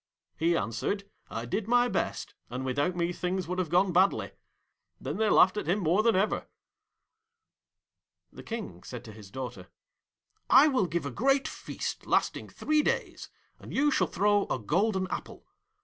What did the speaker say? He answered, "I did my best, and without me things would have gone badly." Then they laughed at him more than ever.' The King said to his daughter, 'I will give a great feast lasting three days, and you shall throw a golden apple.